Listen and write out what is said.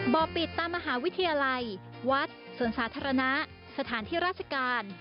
ปิดตามมหาวิทยาลัยวัดสวนสาธารณะสถานที่ราชการ